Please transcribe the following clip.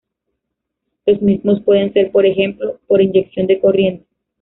Los mismos pueden ser por ejemplo, por inyección de corriente.